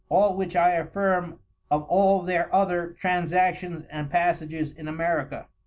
All which I affirm of all their other Transactions and passages in America.